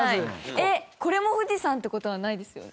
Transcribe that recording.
えっこれも富士山って事はないですよね？